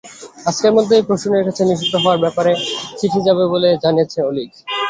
আজকের মধ্যেই প্রসূনের কাছে নিষিদ্ধ হওয়ার ব্যাপারে চিঠি যাবে বলে জানিয়েছেন অলিক।